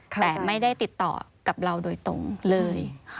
แต่ไม่ได้ติดต่อกับเราโดยตรงเลย